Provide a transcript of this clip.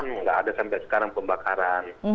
tidak ada sampai sekarang pembakaran